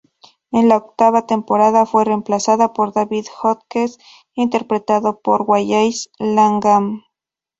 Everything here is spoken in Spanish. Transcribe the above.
En la octava temporada, fue reemplazada por David Hodges, interpretado por Wallace Langham.